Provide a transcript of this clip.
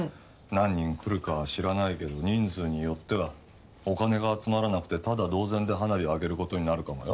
何人来るかは知らないけど人数によってはお金が集まらなくてタダ同然で花火を上げる事になるかもよ。